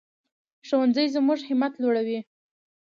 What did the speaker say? ښوونځی زموږ همت لوړوي